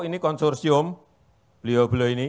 ini konsorsium beliau beliau ini